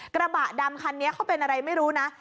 กระบะดำคันนี้เขาเป็นอะไรไม่รู้นะ